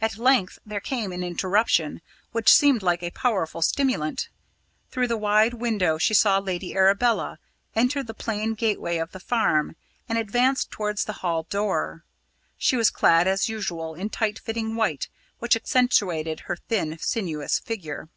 At length there came an interruption, which seemed like a powerful stimulant. Through the wide window she saw Lady Arabella enter the plain gateway of the farm, and advance towards the hall door. She was clad as usual in tight fitting white, which accentuated her thin, sinuous figure.